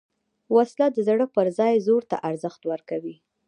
وسله د زړه پر ځای زور ته ارزښت ورکوي